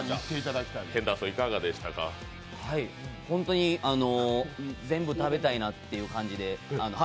本当に全部食べたいなって感じで。